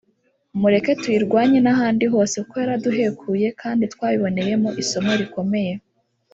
mureke tuyirwanye n’ahandi hose kuko yaraduhekuye kandi twabiboneyemo isomo rikomeye